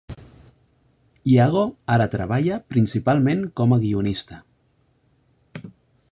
Yago ara treballa principalment com a guionista.